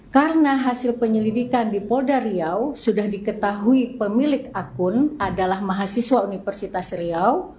karena hasil penyelidikan di polda riau sudah diketahui pemilik akun adalah mahasiswa universitas riau